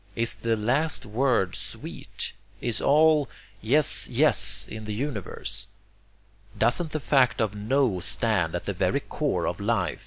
Is the last word sweet? Is all 'yes, yes' in the universe? Doesn't the fact of 'no' stand at the very core of life?